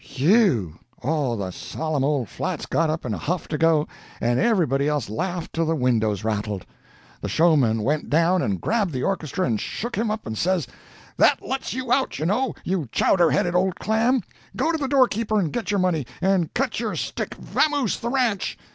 "Whe ew! All the solemn old flats got up in a huff to go, and everybody else laughed till the windows rattled. "The showman went down and grabbed the orchestra and shook him up and says: "'That lets you out, you know, you chowder headed old clam. Go to the doorkeeper and get your money, and cut your stick vamose the ranch!